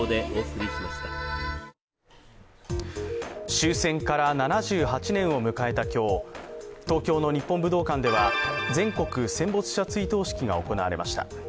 終戦から７８年を迎えた今日、東京の日本武道館では全国戦没者追悼式が行われました。